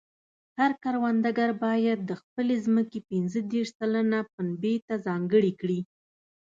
هر کروندګر باید د خپلې ځمکې پنځه دېرش سلنه پنبې ته ځانګړې کړي.